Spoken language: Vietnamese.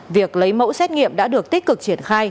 việc lấy mẫu xét nghiệm đã được tích cực triển khai